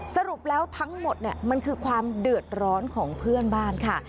สรุปแล้วทั้งหมดมันคือความเดือดร้อนของเพื่อนบ้านค่ะ